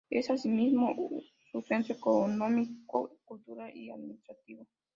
Es asimismo su centro económico, cultural y administrativo.